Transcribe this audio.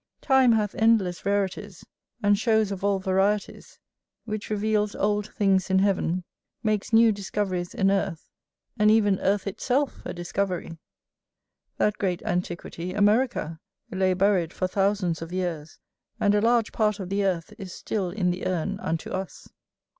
Time hath endless rarities, and shows of all varieties; which reveals old things in heaven, makes new discoveries in earth, and even earth itself a discovery. That great antiquity America lay buried for thousands of years, and a large part of the earth is still in the urn unto us. [AC] The rich mountain of Peru.